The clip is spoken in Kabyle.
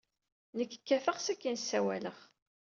Nekk kkateɣ, sakkin ssawaleɣ.